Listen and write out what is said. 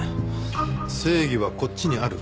正義はこっちにある。